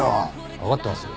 わかってますよ。